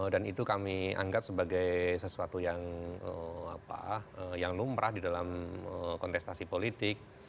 dan itu kami anggap sebagai sesuatu yang lumrah di dalam kontestasi politik